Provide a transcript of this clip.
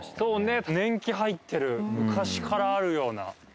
年季入ってる昔からあるような。